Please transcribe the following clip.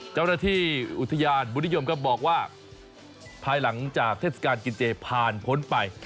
เจ้าหน้าที่อุทยานบุญนิยมก็บอกว่าภายหลังจากเทศกาลกินเจผ่านพ้นไป